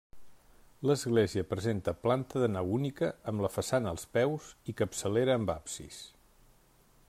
L'església presenta planta de nau única amb la façana als peus, i capçalera amb absis.